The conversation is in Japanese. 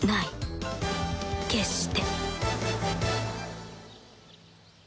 決して